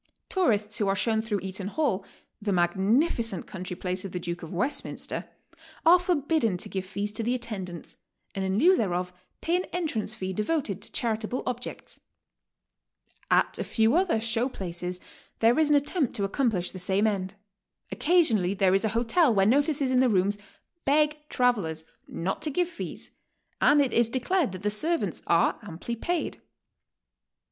Tourists who are shown through Eaton Hall, the magnificent country place of the Duke of West minster, are forbidden to give fees to the attendants, and in lieu thereof pay an entrance fee devoted to charitable objects. At a few other "show places" there is an attempt to accom plish the same end. Occasionally there is a hotel where notices in the rooms beg travelers not to give fees and it is declared that the servants are amply paid.